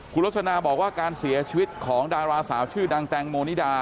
คุณลสนาบอกว่าการเสียชีวิตของดาราสาวชื่อดังแตงโมนิดา